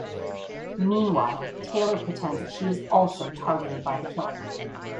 Meanwhile Taylor pretends that she is also targeted by the killer.